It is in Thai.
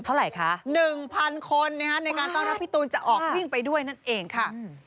เท่าไหร่คะ๑๐๐คนในการต้อนรับพี่ตูนจะออกวิ่งไปด้วยนั่นเองค่ะ